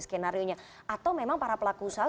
skenario nya atau memang para pelaku usaha